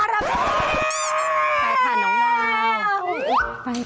กลายให้ถ่านน้องดาว